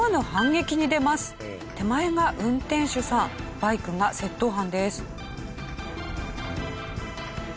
手前が運転手さんバイクが窃盗犯です。